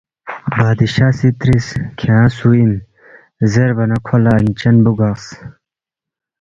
بادشاہ سی ترِس، ”کھیانگ سُو اِن؟“ زیربا نہ کھو لہ انچن بُوگقس